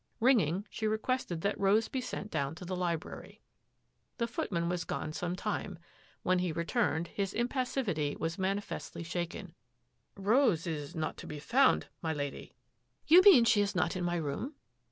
Ringing, she ?" requested that Rose be sent down to the library, •ftdy The footman was gone some time. When he returned, his impassivity was manifestly shaken, teem « Rose is not to be found, my Lady." 12 THAT AFFAIR AT THE MANOR 6i " You mean she is not in my room?